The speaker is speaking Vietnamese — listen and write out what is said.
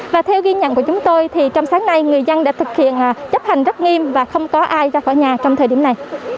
và theo ghi nhận của chúng tôi thì trong sáng nay người dân đã thực hiện chấp hành rất nghiêm và không có ai ra khỏi nhà